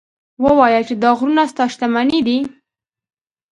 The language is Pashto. ووایه چې دا غرونه ستا شتمني ده.